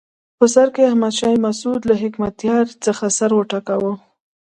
په سر کې احمد شاه مسعود له حکمتیار څخه سر وټکاوه.